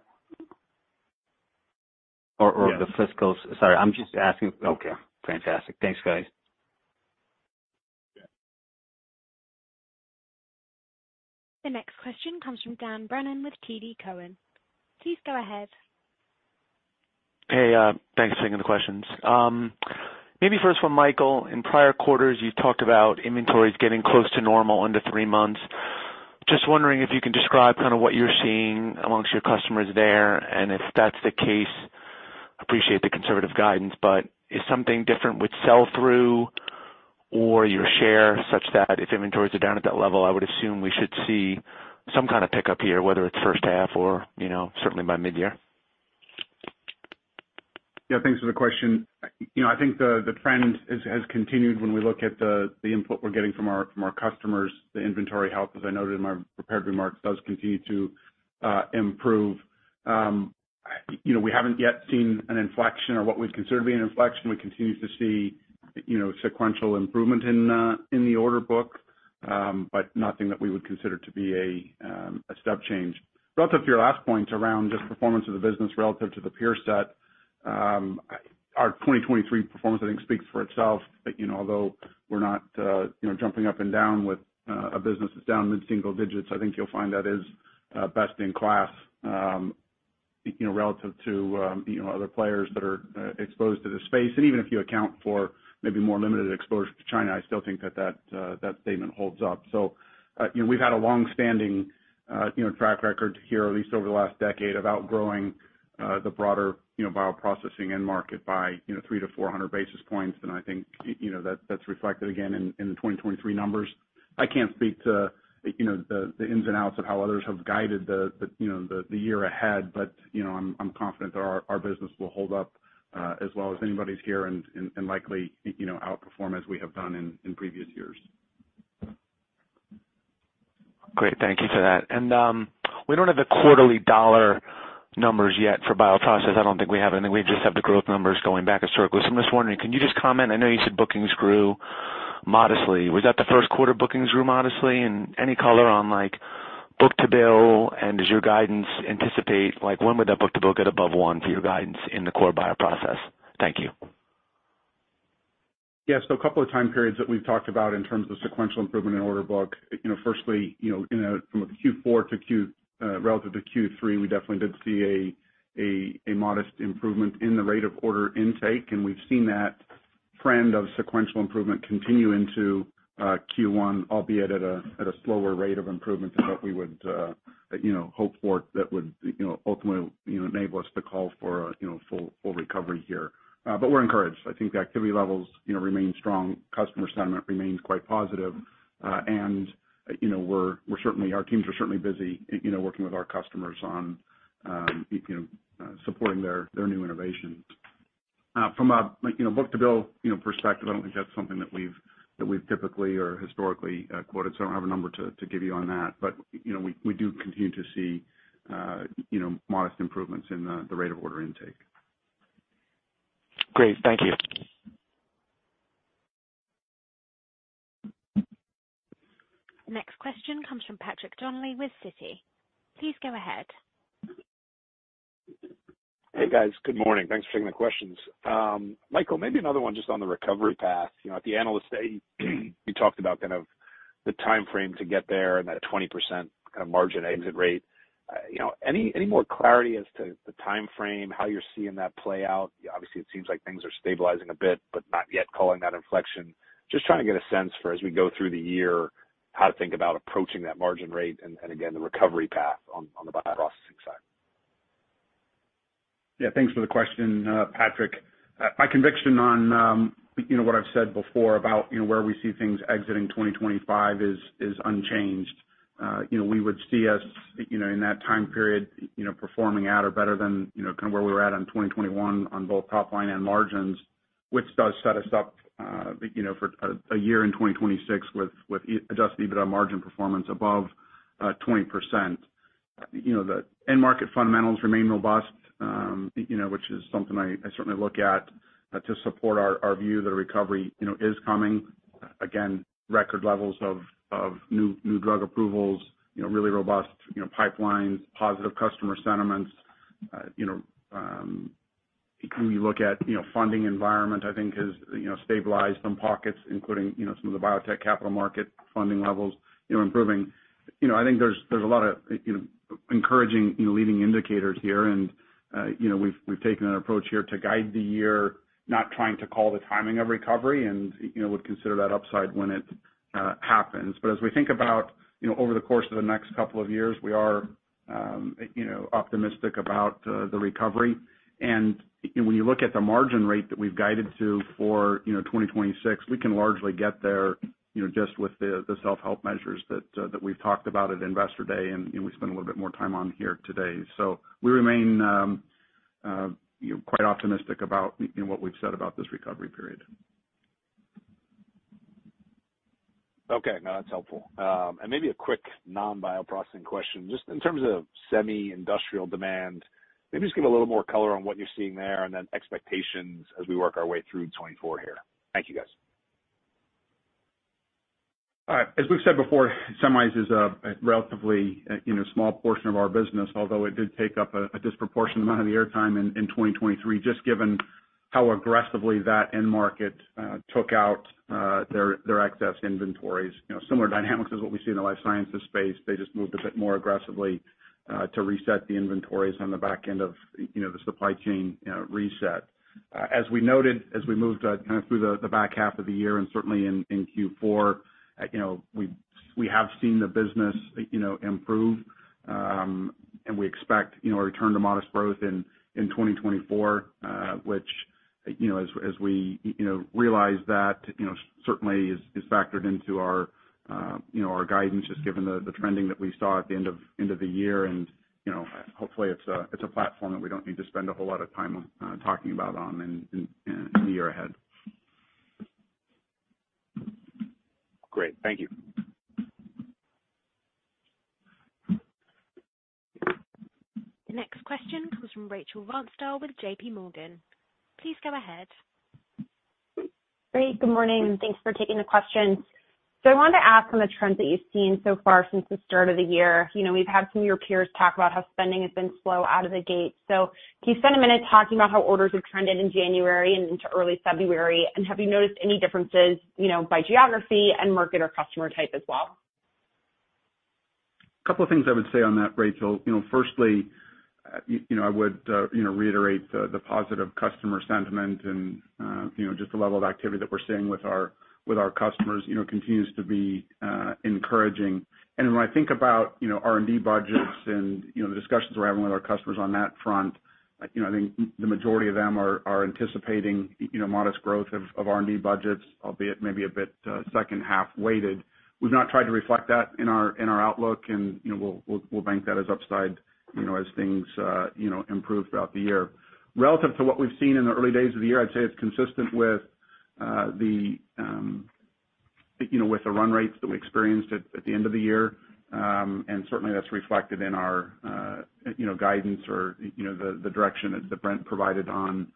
Or the fiscal, sorry, I'm just asking. Okay. Fantastic. Thanks, guys. The next question comes from Dan Brennan with TD Cowen. Please go ahead. Hey. Thanks for taking the questions. Maybe first from Michael. In prior quarters, you talked about inventories getting close to normal under three months. Just wondering if you can describe kind of what you're seeing amongst your customers there. And if that's the case, appreciate the conservative guidance. But is something different with sell-through or your share such that if inventories are down at that level, I would assume we should see some kind of pickup here, whether it's first half or certainly by midyear? Yeah. Thanks for the question. I think the trend has continued when we look at the input we're getting from our customers. The inventory health, as I noted in my prepared remarks, does continue to improve. We haven't yet seen an inflection or what we'd consider to be an inflection. We continue to see sequential improvement in the order book, but nothing that we would consider to be a step change. Relative to your last point around just performance of the business relative to the peer set, our 2023 performance, I think, speaks for itself. But although we're not jumping up and down with a business that's down mid-single digits, I think you'll find that is best in class relative to other players that are exposed to this space. And even if you account for maybe more limited exposure to China, I still think that that statement holds up. So we've had a longstanding track record here, at least over the last decade, of outgrowing the broader bioprocessing end market by 3-400 basis points. I think that's reflected again in the 2023 numbers. I can't speak to the ins and outs of how others have guided the year ahead, but I'm confident that our business will hold up as well as anybody's here and likely outperform as we have done in previous years. Great. Thank you for that. And we don't have the quarterly dollar numbers yet for bioprocess. I don't think we have. I think we just have the growth numbers going back historically. So I'm just wondering, can you just comment? I know you said bookings grew modestly. Was that the first quarter bookings grew modestly? And any color on book-to-bill? And does your guidance anticipate when would that book-to-bill get above one for your guidance in the core bioprocess? Thank you. Yeah. So a couple of time periods that we've talked about in terms of sequential improvement in order book, firstly, from Q4 relative to Q3, we definitely did see a modest improvement in the rate of order intake. We've seen that trend of sequential improvement continue into Q1, albeit at a slower rate of improvement than what we would hope for that would ultimately enable us to call for full recovery here. But we're encouraged. I think the activity levels remain strong. Customer sentiment remains quite positive. Our teams are certainly busy working with our customers on supporting their new innovations. From a book-to-bill perspective, I don't think that's something that we've typically or historically quoted. I don't have a number to give you on that. But we do continue to see modest improvements in the rate of order intake. Great. Thank you. Next question comes from Patrick Donnelly with Citi. Please go ahead. Hey, guys. Good morning. Thanks for taking the questions. Michael, maybe another one just on the recovery path. At the Analyst Day, you talked about kind of the time frame to get there and that 20% kind of margin exit rate. Any more clarity as to the time frame, how you're seeing that play out? Obviously, it seems like things are stabilizing a bit but not yet calling that inflection. Just trying to get a sense for as we go through the year, how to think about approaching that margin rate and, again, the recovery path on the bioprocessing side. Yeah. Thanks for the question, Patrick. My conviction on what I've said before about where we see things exiting 2025 is unchanged. We would see us in that time period performing out or better than kind of where we were at in 2021 on both top line and margins, which does set us up for a year in 2026 with Adjusted EBITDA margin performance above 20%. The end market fundamentals remain robust, which is something I certainly look at to support our view that a recovery is coming. Again, record levels of new drug approvals, really robust pipelines, positive customer sentiments. When you look at funding environment, I think has stabilized some pockets, including some of the biotech capital market funding levels, improving. I think there's a lot of encouraging, leading indicators here. We've taken an approach here to guide the year, not trying to call the timing of recovery, and would consider that upside when it happens. As we think about over the course of the next couple of years, we are optimistic about the recovery. When you look at the margin rate that we've guided to for 2026, we can largely get there just with the self-help measures that we've talked about at Investor Day, and we spend a little bit more time on here today. We remain quite optimistic about what we've said about this recovery period. Okay. No, that's helpful. Maybe a quick non-bioprocessing question. Just in terms of semi-industrial demand, maybe just give a little more color on what you're seeing there and then expectations as we work our way through 2024 here. Thank you, guys. All right. As we've said before, semis is a relatively small portion of our business, although it did take up a disproportionate amount of the airtime in 2023 just given how aggressively that end market took out their excess inventories. Similar dynamics as what we see in the life sciences space. They just moved a bit more aggressively to reset the inventories on the back end of the supply chain reset. As we noted, as we moved kind of through the back half of the year and certainly in Q4, we have seen the business improve, and we expect a return to modest growth in 2024, which, as we realize that, certainly is factored into our guidance just given the trending that we saw at the end of the year. Hopefully, it's a platform that we don't need to spend a whole lot of time talking about in the year ahead. Great. Thank you. The next question comes from Rachel Vatnsdal with JPMorgan. Please go ahead. Great. Good morning. Thanks for taking the questions. So I wanted to ask on the trends that you've seen so far since the start of the year. We've had some of your peers talk about how spending has been slow out of the gate. So can you spend a minute talking about how orders have trended in January and into early February? And have you noticed any differences by geography and market or customer type as well? A couple of things I would say on that, Rachel. Firstly, I would reiterate the positive customer sentiment and just the level of activity that we're seeing with our customers continues to be encouraging. When I think about R&D budgets and the discussions we're having with our customers on that front, I think the majority of them are anticipating modest growth of R&D budgets, albeit maybe a bit second-half weighted. We've not tried to reflect that in our outlook, and we'll bank that as upside as things improve throughout the year. Relative to what we've seen in the early days of the year, I'd say it's consistent with the run rates that we experienced at the end of the year. Certainly, that's reflected in our guidance or the direction that Brent provided on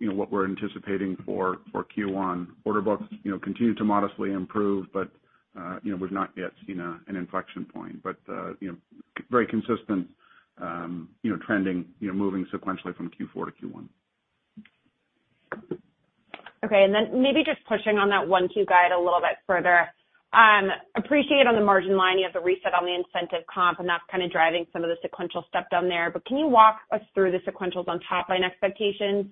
what we're anticipating for Q1. Order books continue to modestly improve, but we've not yet seen an inflection point. Very consistent trending, moving sequentially from Q4 to Q1. Okay. Then maybe just pushing on that Q1 guide a little bit further. Appreciate on the margin line, you have the reset on the incentive comp, and that's kind of driving some of the sequential step-down there. But can you walk us through the sequentials on top line expectations?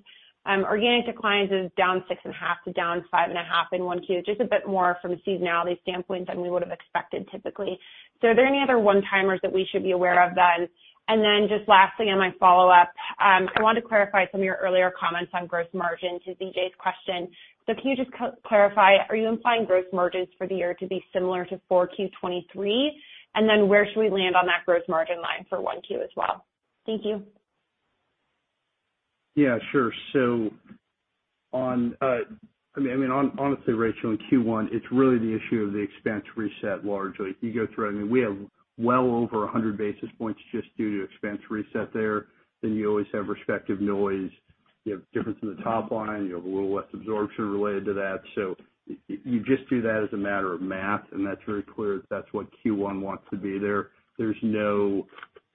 Organic declines is down 6.5 to down 5.5 in Q1, just a bit more from a seasonality standpoint than we would have expected typically. So are there any other one-timers that we should be aware of then? And then just lastly, on my follow-up, I wanted to clarify some of your earlier comments on gross margin to Vijay's question. So can you just clarify, are you implying gross margins for the year to be similar to 4Q 2023? And then where should we land on that gross margin line for Q1 as well? Thank you. Yeah. Sure. So I mean, honestly, Rachel, in Q1, it's really the issue of the expense reset largely. If you go through it, I mean, we have well over 100 basis points just due to expense reset there. Then you always have respective noise. You have difference in the top line. You have a little less absorption related to that. So you just do that as a matter of math, and that's very clear that that's what Q1 wants to be there. There's no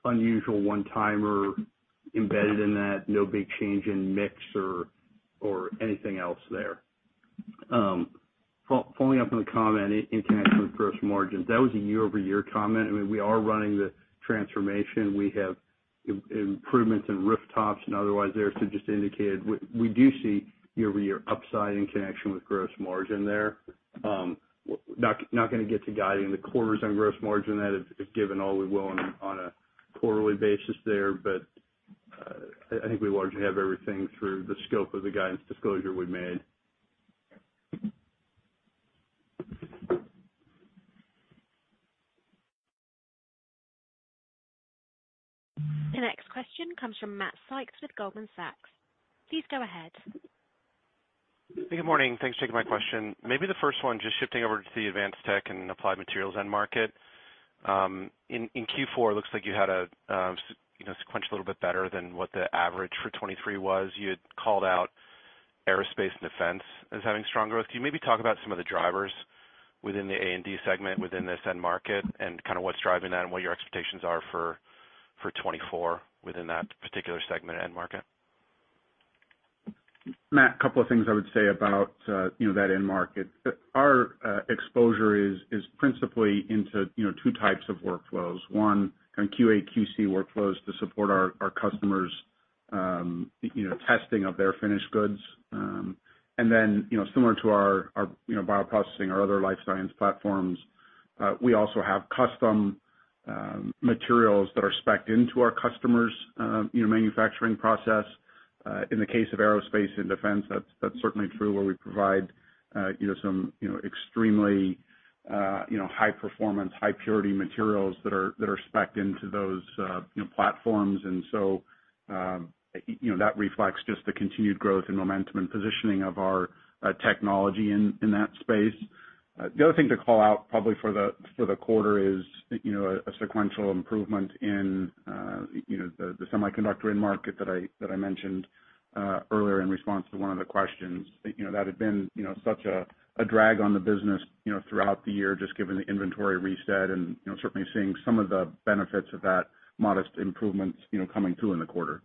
unusual one-timer embedded in that, no big change in mix or anything else there. Following up on the comment in connection with gross margins, that was a year-over-year comment. I mean, we are running the transformation. We have improvements in rooftops and otherwise there. So just indicated we do see year-over-year upside in connection with gross margin there. Not going to get to guiding the quarters on gross margin then, if given all we will on a quarterly basis there. But I think we largely have everything through the scope of the guidance disclosure we made. The next question comes from Matt Sykes with Goldman Sachs. Please go ahead. Hey, good morning. Thanks for taking my question. Maybe the first one, just shifting over to the Advanced Tech and Applied Materials end market. In Q4, it looks like you had a sequential a little bit better than what the average for 2023 was. You had called out aerospace and defense as having strong growth. Can you maybe talk about some of the drivers within the A&D segment within this end market and kind of what's driving that and what your expectations are for 2024 within that particular segment end market? Matt, a couple of things I would say about that end market. Our exposure is principally into two types of workflows. One, kind of QA, QC workflows to support our customers' testing of their finished goods. And then similar to our bioprocessing or other life science platforms, we also have custom materials that are specced into our customers' manufacturing process. In the case of aerospace and defense, that's certainly true where we provide some extremely high-performance, high-purity materials that are specced into those platforms. And so that reflects just the continued growth and momentum and positioning of our technology in that space. The other thing to call out probably for the quarter is a sequential improvement in the semiconductor end market that I mentioned earlier in response to one of the questions. That had been such a drag on the business throughout the year just given the inventory reset and certainly seeing some of the benefits of that modest improvement coming through in the quarter.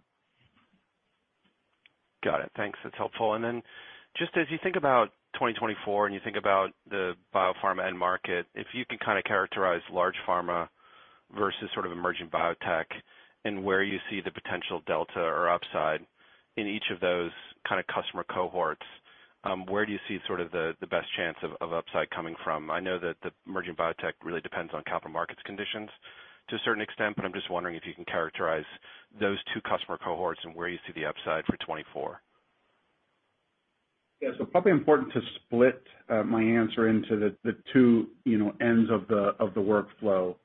Got it. Thanks. That's helpful. And then just as you think about 2024 and you think about the biopharma end market, if you can kind of characterize large pharma versus sort of emerging biotech and where you see the potential delta or upside in each of those kind of customer cohorts, where do you see sort of the best chance of upside coming from? I know that the emerging biotech really depends on capital markets conditions to a certain extent, but I'm just wondering if you can characterize those two customer cohorts and where you see the upside for 2024. Yeah. So probably important to split my answer into the two ends of the workflow.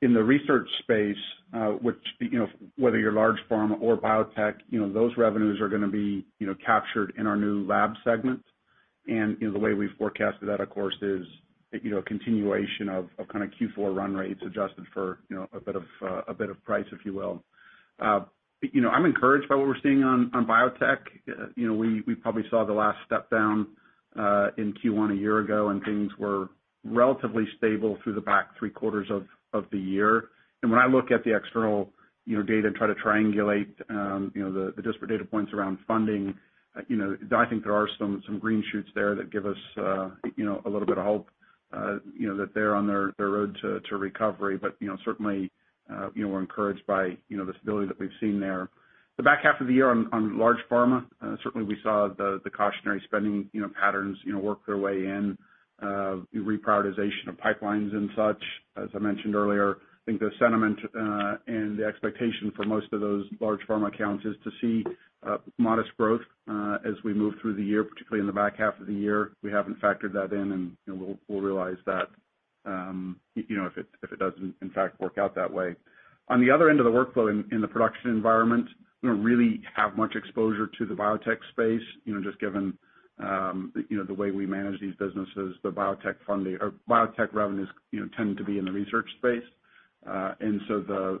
In the research space, whether you're large pharma or biotech, those revenues are going to be captured in our new lab segment. And the way we've forecasted that, of course, is a continuation of kind of Q4 run rates adjusted for a bit of price, if you will. I'm encouraged by what we're seeing on biotech. We probably saw the last step-down in Q1 a year ago, and things were relatively stable through the back three-quarters of the year. And when I look at the external data and try to triangulate the disparate data points around funding, I think there are some green shoots there that give us a little bit of hope that they're on their road to recovery. But certainly, we're encouraged by the stability that we've seen there. The back half of the year on large pharma, certainly, we saw the cautionary spending patterns work their way in, reprioritization of pipelines and such. As I mentioned earlier, I think the sentiment and the expectation for most of those large pharma accounts is to see modest growth as we move through the year, particularly in the back half of the year. We haven't factored that in, and we'll realize that if it doesn't, in fact, work out that way. On the other end of the workflow in the production environment, we don't really have much exposure to the biotech space just given the way we manage these businesses. The biotech revenues tend to be in the research space. So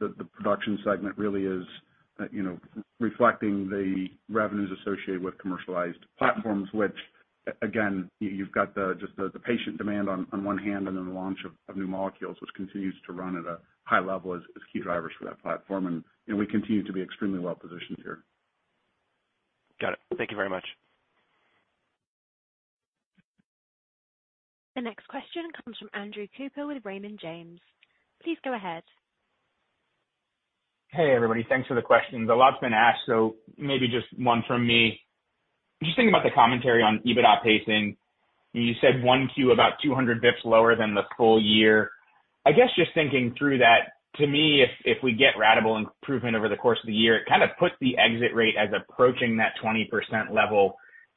the production segment really is reflecting the revenues associated with commercialized platforms, which, again, you've got just the patient demand on one hand and then the launch of new molecules, which continues to run at a high level as key drivers for that platform. We continue to be extremely well-positioned here. Got it. Thank you very much. The next question comes from Andrew Cooper with Raymond James. Please go ahead. Hey, everybody. Thanks for the questions. A lot's been asked, so maybe just one from me. Just thinking about the commentary on EBITDA pacing, you said Q1 about 200 basis points lower than the full year. I guess just thinking through that, to me, if we get radical improvement over the course of the year, it kind of puts the exit rate as approaching that 20% level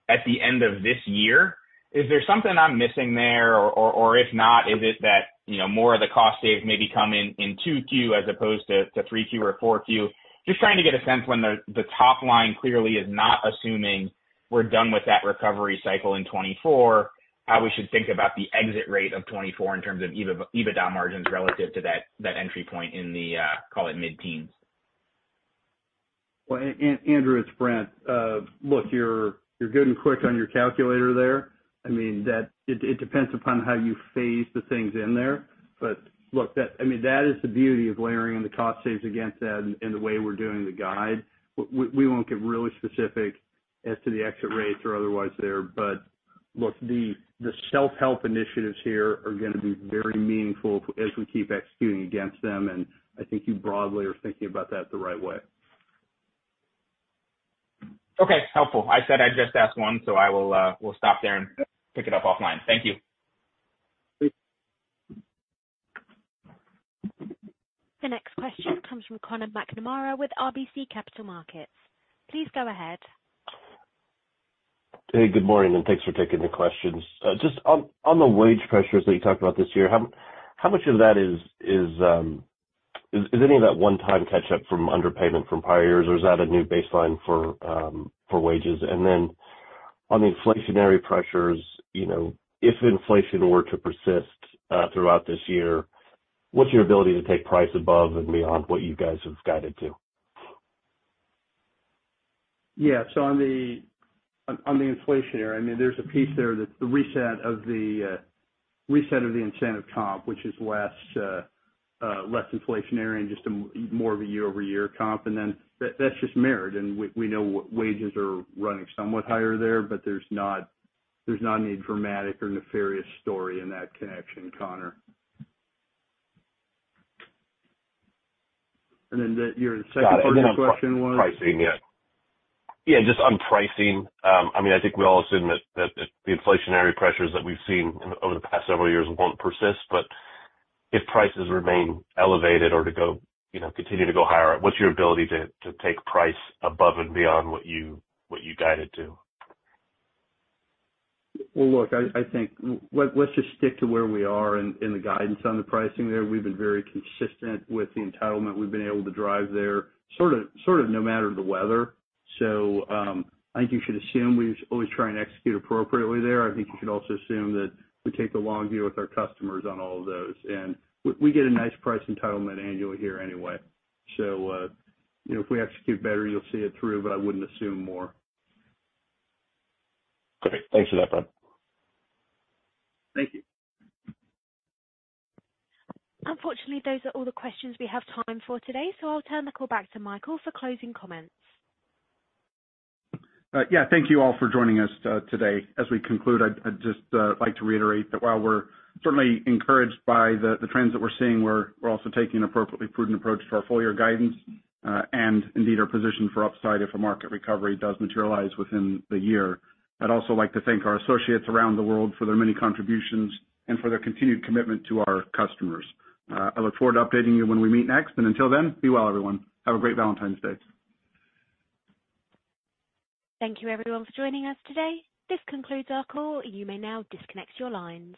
at the end of this year. Is there something I'm missing there? Or if not, is it that more of the cost saves maybe come in 2Q as opposed to 3Q or 4Q? Just trying to get a sense when the top line clearly is not assuming we're done with that recovery cycle in 2024, how we should think about the exit rate of 2024 in terms of EBITDA margins relative to that entry point in the, call it, mid-teens. Well, Andrew, it's Brent. Look, you're good and quick on your calculator there. I mean, it depends upon how you phase the things in there. But look, I mean, that is the beauty of layering in the cost saves against that and the way we're doing the guide. We won't get really specific as to the exit rates or otherwise there. But look, the self-help initiatives here are going to be very meaningful as we keep executing against them. And I think you broadly are thinking about that the right way. Okay. Helpful. I said I'd just ask one, so I will stop there and pick it up offline. Thank you. The next question comes from Conor McNamara with RBC Capital Markets. Please go ahead. Hey, good morning, and thanks for taking the questions. Just on the wage pressures that you talked about this year, how much of that is any of that one-time catch-up from underpayment from prior years, or is that a new baseline for wages? And then on the inflationary pressures, if inflation were to persist throughout this year, what's your ability to take price above and beyond what you guys have guided to? Yeah. So on the inflationary, I mean, there's a piece there that's the reset of the incentive comp, which is less inflationary and just more of a year-over-year comp. And then that's just mirrored. And we know wages are running somewhat higher there, but there's not any dramatic or nefarious story in that connection, Connor. And then your second part of the question was. Yeah, just on pricing. Yeah. Yeah, just on pricing. I mean, I think we all assume that the inflationary pressures that we've seen over the past several years won't persist. But if prices remain elevated or continue to go higher, what's your ability to take price above and beyond what you guided to? Well, look, I think let's just stick to where we are in the guidance on the pricing there. We've been very consistent with the entitlement we've been able to drive there, sort of no matter the weather. So I think you should assume we always try and execute appropriately there. I think you should also assume that we take the long view with our customers on all of those. And we get a nice price entitlement annually here anyway. So if we execute better, you'll see it through, but I wouldn't assume more. Great. Thanks for that, Brent. Thank you. Unfortunately, those are all the questions we have time for today. So I'll turn the call back to Michael for closing comments. Yeah. Thank you all for joining us today. As we conclude, I'd just like to reiterate that while we're certainly encouraged by the trends that we're seeing, we're also taking an appropriately prudent approach to our full-year guidance and indeed our position for upside if a market recovery does materialize within the year. I'd also like to thank our associates around the world for their many contributions and for their continued commitment to our customers. I look forward to updating you when we meet next. And until then, be well, everyone. Have a great Valentine's Day. Thank you, everyone, for joining us today. This concludes our call. You may now disconnect your lines.